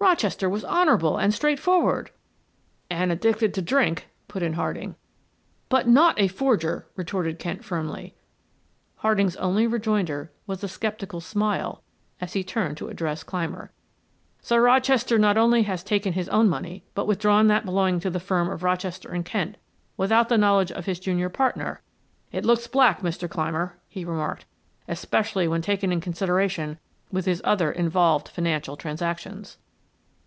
"Rochester was honorable and straight forward " "And addicted to drink," put in Harding. "But not a forger," retorted Kent firmly. Harding's only rejoinder was a skeptical smile as he turned to address Clymer. "So Rochester not only has taken his own money, but withdrawn that belonging to the firm of Rochester and Kent without the knowledge of his junior partner; it looks black, Mr. Clymer," he remarked. "Especially when taken in consideration with his other involved financial transactions."